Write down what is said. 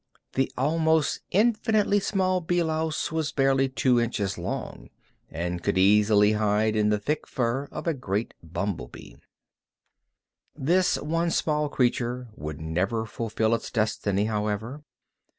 The almost infinitely small bee louse was barely two inches long, and could easily hide in the thick fur of a great bumblebee. This one small creature would never fulfill its destiny, however.